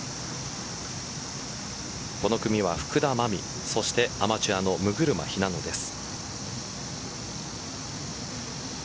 この組は福田真未そしてアマチュアの六車日那乃です。